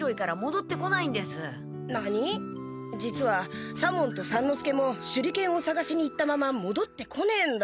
実は左門と三之助も手裏剣をさがしに行ったままもどってこねえんだ。